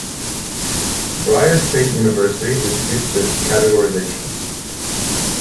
Breyer State University disputes this categorization.